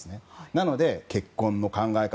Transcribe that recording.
なので、結婚の考え方